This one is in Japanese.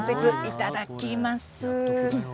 いただきます。